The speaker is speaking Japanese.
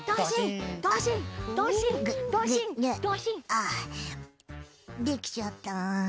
あっできちゃった。